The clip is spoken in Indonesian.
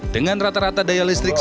dengan rata rata daya listrik